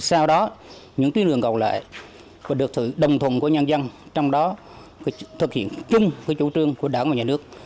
sau đó những tuyến đường gọng lại và được thử đồng thùng của nhân dân trong đó thực hiện chung với chủ trương của đảng và nhà nước